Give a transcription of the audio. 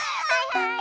はい。